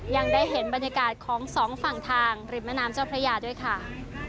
ยังได้เห็นบรรยากาศของสองฝั่งทางริมแม่น้ำเจ้าพระยาด้วยค่ะ